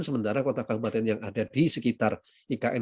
sementara kota kabupaten yang ada di sekitar ikn